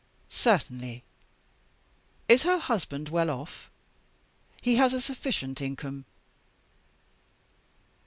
"'Certainly!' "'Is her husband well off?' "'He has a sufficient income.